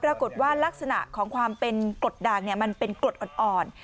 ปรากฏว่าลักษณะของความเป็นกรดด่างมันเป็นกรดอ่อน